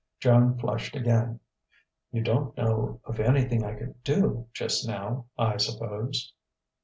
Joan flushed again. "You don't know of anything I could do, just now, I suppose?"